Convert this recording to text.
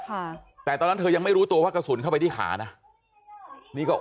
ค่ะแต่ตอนนั้นเธอยังไม่รู้ตัวว่ากระสุนเข้าไปที่ขานะนี่ก็